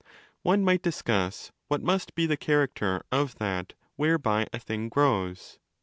One might discuss what must be the character of that 'whereby' a thing grows.